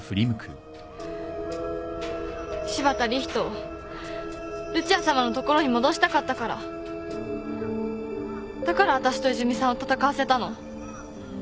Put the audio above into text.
柴田理人をルチアさまのところに戻したかったからだからわたしと泉さんを戦わせたの？